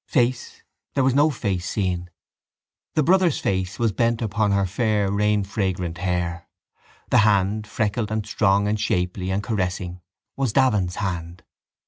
Face? There was no face seen. The brother's face was bent upon her fair rain fragrant hair. The hand freckled and strong and shapely and caressing was Davin's hand.